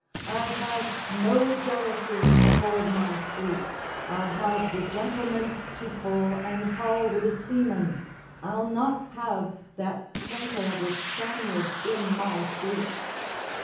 I'll have no jealousies Aboard my fleet. I'll have the gentleman To pull and haul wi' the seaman. I'll not have That canker of the Spaniards in my fleet.